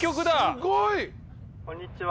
すごい！こんにちは。